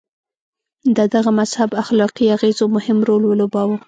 د دغه مذهب اخلاقي اغېزو مهم رول ولوباوه.